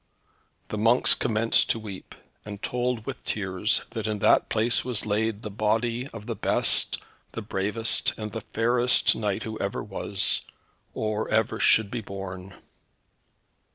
The monks commenced to weep, and told with tears, that in that place was laid the body of the best, the bravest, and the fairest knight who ever was, or ever should be born.